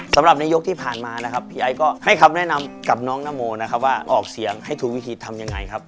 สำหรับในยกที่ผ่านมานะครับพี่ไอ้ก็ให้คำแนะนำกับน้องนโมนะครับว่าออกเสียงให้ถูกวิธีทำยังไงครับ